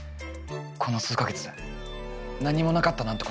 この数か月何もなかったなんてことありません。